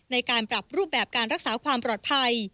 ในการปรับรูปแบบการรักษาความปลอดภัย